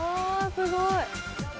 すごいね。